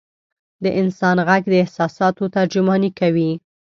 د انسان ږغ د احساساتو ترجماني کوي.